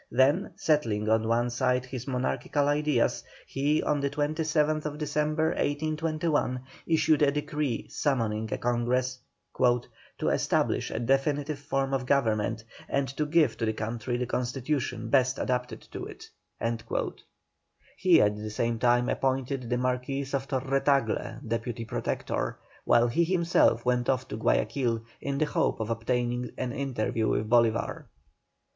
Then, setting on one side his monarchical ideas, he, on the 27th December, 1821, issued a decree summoning a Congress: "To establish a definitive form of government, and to give to the country the constitution best adapted to it." He at the same time appointed the Marquis of Torre Tagle Deputy Protector, while he himself went off to Guayaquil in the hope of obtaining an interview with Bolívar.